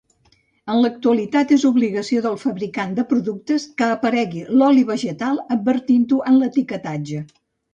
En l'actualitat és obligació del fabricant de productes que aparegui l'oli vegetal advertir-ho en l'etiquetatge.